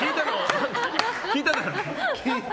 聞いただろ。